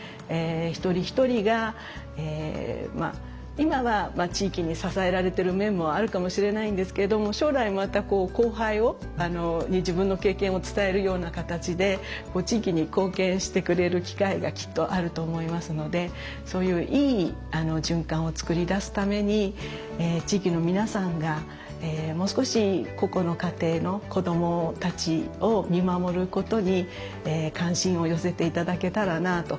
一人一人がまあ今は地域に支えられてる面もあるかもしれないんですけども将来またこう後輩に自分の経験を伝えるような形で地域に貢献してくれる機会がきっとあると思いますのでそういういい循環を作り出すために地域の皆さんがもう少し個々の家庭の子どもたちを見守ることに関心を寄せて頂けたらなと。